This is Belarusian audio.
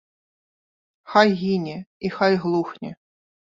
Хай гіне і хай глухне.